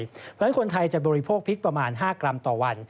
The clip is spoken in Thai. เพราะฉะนั้นคนไทยจะบริโภคพริกประมาณ๕กรัมต่อวัน